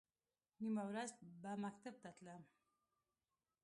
نیمه ورځ به مکتب ته تلم.